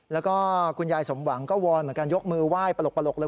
แล้วก็คุณยายสมหวังก็วอนเหมือนกันยกมือไหว้ปลกเลย